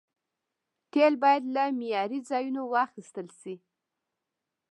تیل باید له معياري ځایونو واخیستل شي.